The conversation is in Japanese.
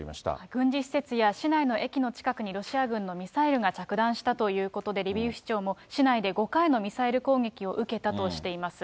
軍事施設や市内の駅の近くにロシア軍のミサイルが着弾したということで、リビウ市長も、市内で５回のミサイル攻撃を受けたとしています。